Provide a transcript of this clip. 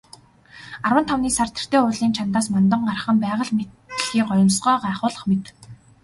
Арван тавны сар тэртээ уулын чанадаас мандан гарах нь байгаль дэлхий гоёмсгоо гайхуулах мэт.